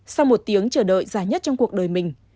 sau một tiếng chờ đợi dài nhất trong cuộc đời mình